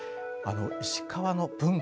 石川の文化